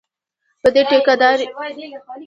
په دې ټېکه داري کې لومړی مقام ترلاسه کړي.